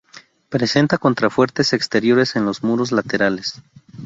Presenta contrafuertes exteriores en los muros laterales.